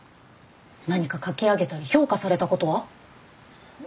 何か描き上げたり評価されたことは？